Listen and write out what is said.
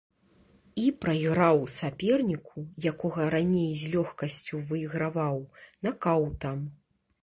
І прайграў саперніку, якога раней з лёгкасцю выйграваў, накаўтам.